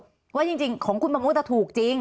เพราะจริงของคุณบำมุดอะถูกจริง